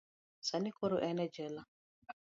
sani koro en e jela.